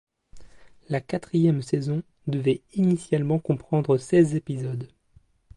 La quatrième saison devait initialement comprendre seize épisodes.